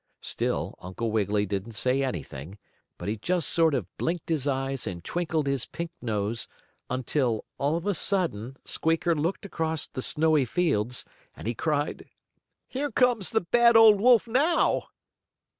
Still, Uncle Wiggily didn't say anything, but he just sort of blinked his eyes and twinkled his pink nose, until, all of a sudden, Squeaker looked across the snowy fields, and he cried: "Here comes the bad old wolf now!"